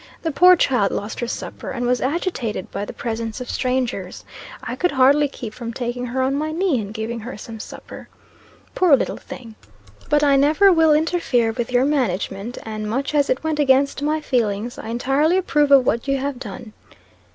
The poor child lost her supper, and was agitated by the presence of strangers. I could hardly keep from taking her on my knee, and giving her some supper. Poor little thing! But I never will interfere with your management; and much as it went against my feelings, I entirely approve of what you have done.'